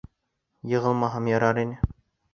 Йығылмаһам ярар ине.